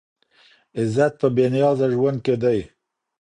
عزت په بې نیازه ژوند کې دی.